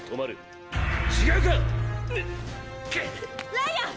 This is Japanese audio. ライアン！